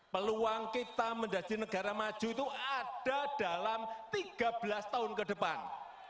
peluang kita menjadi negara maju itu ada dalam tiga belas tahun ke depan